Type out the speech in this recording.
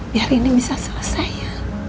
biar ini bisa selesai ya